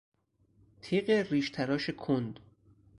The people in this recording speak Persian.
تیغ ریش تراش کند